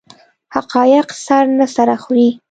حقایق سر نه سره خوري.